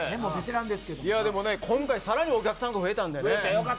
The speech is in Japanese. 今回さらにお客さんが増えたんでね。